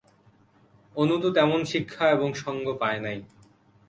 অনু তো তেমন শিক্ষা এবং সঙ্গ পায় নাই।